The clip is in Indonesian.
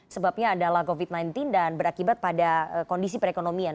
sebabnya adalah covid sembilan belas dan berakibat pada kondisi perekonomian